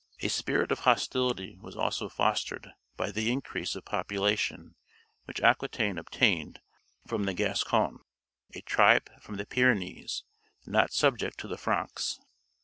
A spirit of hostility was also fostered by the increase of population which Aquitaine obtained from the Gascons, a tribe from the Pyrenees, not subject to the Franks.